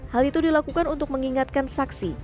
hal itu dilakukan untuk mengingatkan saksi